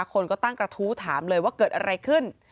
คนก็ตั้งกระทู้ถามเลยว่าเกิดอะไรขึ้น